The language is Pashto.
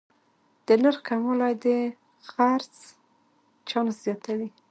د نرخ کموالی د خرڅ چانس زیاتوي.